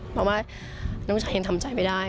เพราะว่าน้องชายยังทำใจไม่ได้